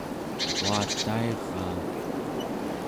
uatairaa